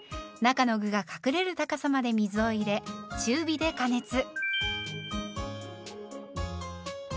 中の具が隠れる高さまで水を入れ中火で加熱。